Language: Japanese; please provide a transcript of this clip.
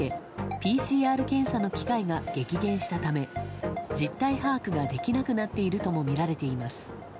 ＰＣＲ検査の機会が激減したため実態把握ができなくなっているともみられています。